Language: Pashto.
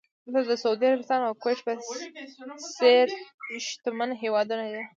دلته د سعودي عربستان او کوېټ په څېر شتمن هېوادونه دي.